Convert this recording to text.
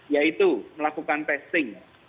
yaitu melakukan testing